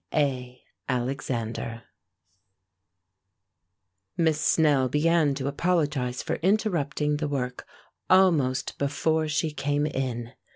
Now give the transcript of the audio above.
A. ALEXANDER Miss Snell began to apologize for interrupting the work almost before she came in.